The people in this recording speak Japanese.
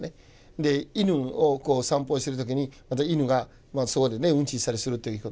で犬を散歩してる時にまた犬がそこでウンチしたりするということ。